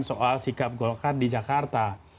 soal sikap golkar di jakarta